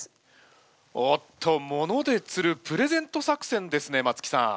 おっと物で釣るプレゼント作戦ですね松木さん。